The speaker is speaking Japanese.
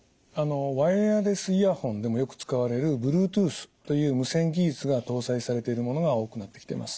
ワイヤレスイヤホンでもよく使われるブルートゥースという無線技術が搭載されているものが多くなってきてます。